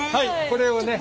これをね